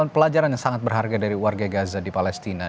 pelajaran yang sangat berharga dari warga gaza di palestina